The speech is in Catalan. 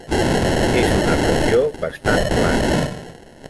És una regió bastant plana.